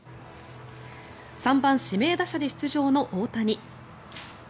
３番指名打者で出場の大谷。